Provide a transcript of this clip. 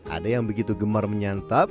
ada yang begitu gemar menyantap